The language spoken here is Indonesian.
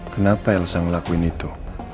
kenapa elsa ngelakuin itu